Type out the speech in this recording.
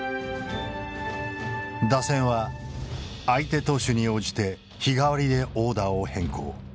打線は相手投手に応じて日替わりでオーダーを変更。